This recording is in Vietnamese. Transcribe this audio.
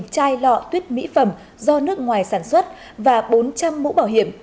một chai lọ tuyết mỹ phẩm do nước ngoài sản xuất và bốn trăm linh mũ bảo hiểm